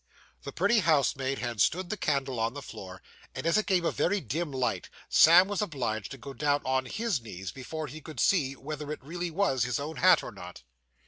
The pretty housemaid had stood the candle on the floor; and, as it gave a very dim light, Sam was obliged to go down on _his _knees before he could see whether it really was his own hat or not.